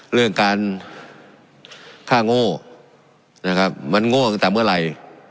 เรื่องการฆ่าโง่นะครับมันโง่ตั้งแต่เมื่อไหร่